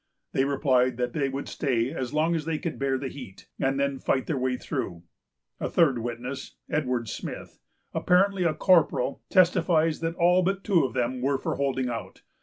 They replied that they would stay as long as they could bear the heat, and then fight their way through. A third witness, Edward Smyth, apparently a corporal, testifies that all but two of them were for holding out.